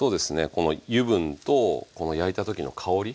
この油分とこの焼いた時の香り